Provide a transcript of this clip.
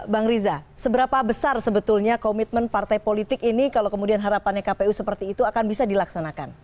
bang riza seberapa besar sebetulnya komitmen partai politik ini kalau kemudian harapannya kpu seperti itu akan bisa dilaksanakan